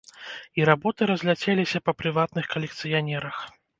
І работы разляцеліся па прыватных калекцыянерах.